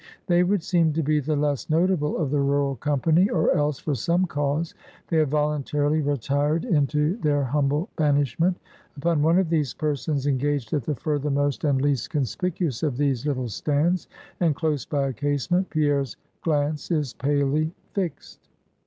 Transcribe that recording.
They would seem to be the less notable of the rural company; or else, for some cause, they have voluntarily retired into their humble banishment. Upon one of these persons engaged at the furthermost and least conspicuous of these little stands, and close by a casement, Pierre's glance is palely fixed.